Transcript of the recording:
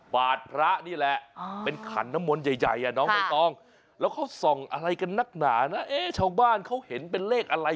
บาทพระนี่แหละเป็นขันน้ำมนต์ใหญ่อ่ะน้องใบตองแล้วเขาส่องอะไรกันนักหนานะเอ๊ะชาวบ้านเขาเห็นเป็นเลขอะไร